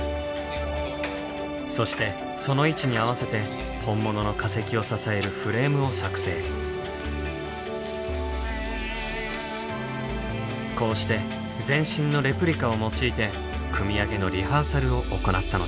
そしてその位置に合わせて本物のこうして全身のレプリカを用いて組み上げのリハーサルを行ったのです。